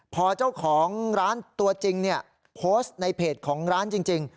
พอเจ้าของร้านตัวจริงโพสต์ในเพจของร้านจริง